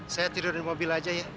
saya tidur di mobil aja ya